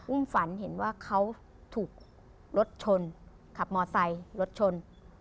ฝันเห็นว่าเขาถูกรถชนขับมอไซค์รถชน